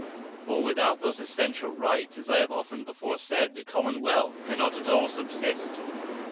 For without those Essentiall Rights, (as I have often before said,) the Common wealth cannot at all subsist.